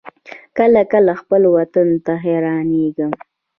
کله کله خپل وطن ته حيرانېږم.